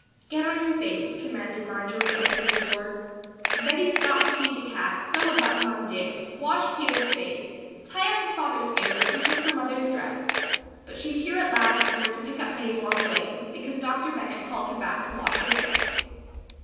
"Get on your things," commanded Marjory, opening the door. "Bettie stopped to feed the cat, sew a button on Dick, wash Peter's face, tie up her father's finger and hook her mother's dress, but she's here at last and we're to pick up Mabel on the way because Dr. Bennett called her back to wash her face."